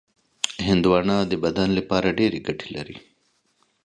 هندوانه د بدن لپاره ډېرې ګټې لري.